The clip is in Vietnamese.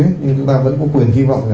chúng ta vẫn có quyền hy vọng